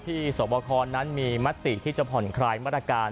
ที่โสมาครนั้นมีมัตติที่จะผ่อนคลายมาตรการ